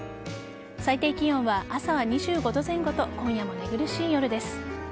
最低気温は朝は２５度前後と今夜も寝苦しい夜です。